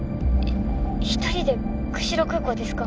一人で釧路空港ですか？